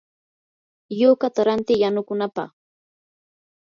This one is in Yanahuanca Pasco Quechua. yukata ranti yanukunapaq.